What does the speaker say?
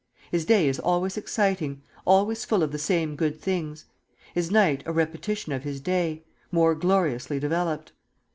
His day is always exciting, always full of the same good things; his night a repetition of his day, more gloriously developed.